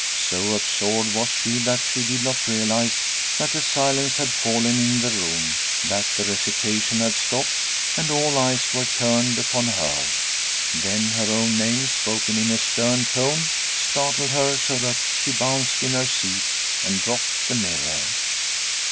So absorbed was she that she did not realize that a silence had fallen in the room, that the recitation had stopped and all eyes were turned upon her. Then her own name, spoken in a stern tone, startled her so that she bounced in her seat and dropped the mirror.